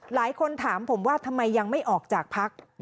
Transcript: หลายคนถามผมว่าทำไมยังไม่ออกจากพัก